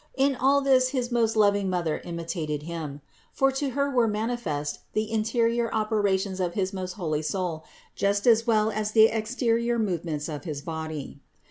In all this his most loving Mother imitated Him. For to Her were manifest the interior operations of his most holy soul, just as well as the exterior movements of his body.